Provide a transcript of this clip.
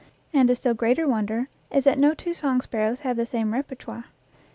And a still greater wonder is that no two song sparrows have the same repertoire.